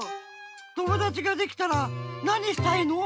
友だちができたらなにしたいの？